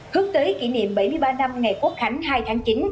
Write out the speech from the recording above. hướng tới kỷ niệm bảy mươi ba năm ngày quốc khánh hai tháng chín